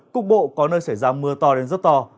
cục bộ có nơi xảy ra mưa to đến rất to